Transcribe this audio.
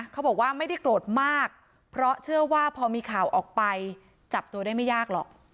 เขาบอกว่าไม่ได้โกรธมากเพราะเชื่อว่าพอมีข่าวออกไปจับตัวได้ไม่ยากหรอก